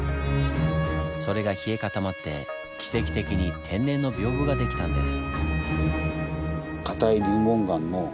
それが冷え固まって奇跡的に天然の屏風が出来たんです。